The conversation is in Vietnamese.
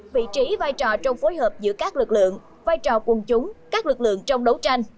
vị trí vai trò trong phối hợp giữa các lực lượng vai trò quân chúng các lực lượng trong đấu tranh